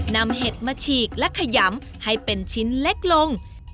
เห็ดมาฉีกและขยำให้เป็นชิ้นเล็กลง